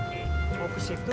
mau ke situ